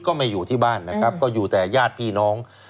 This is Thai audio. ไม่อยู่ที่บ้านนะครับก็อยู่แต่ญาติพี่น้อง